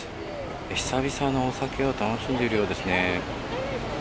久々のお酒を楽しんでいるようですね。